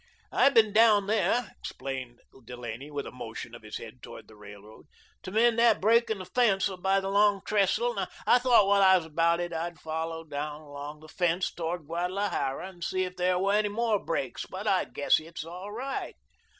"I've been down there," explained Delaney, with a motion of his head toward the railroad, "to mend that break in the fence by the Long Trestle and I thought while I was about it I'd follow down along the fence toward Guadalajara to see if there were any more breaks. But I guess it's all right."